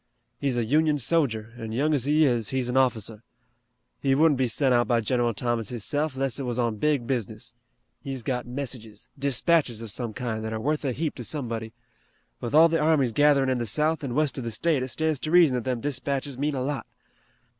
He's a Union sojer, an' young as he is, he's an officer. He wouldn't be sent out by General Thomas hisself 'less it was on big business. He's got messages, dispatches of some kind that are worth a heap to somebody. With all the armies gatherin' in the south an' west of the state it stands to reason that them dispatches mean a lot.